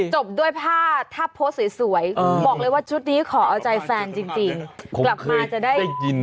จบด้วยผ้าถ้าโพสต์สวยบอกเลยว่าชุดนี้ขอเอาใจแฟนจริงกลับมาจะได้ยิน